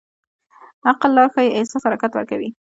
عقل لار ښيي، احساس حرکت ورکوي.